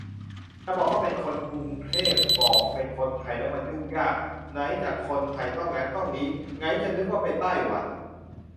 จะบอกว่าเป็น "คนกรุงเทพ" บอกเป็นคนไทยแล้วมันยุ่งยาก ไหนจะคนไทยต้องงั้นต้องงี้ ไหนจะนึกว่าเป็นไต้หวัน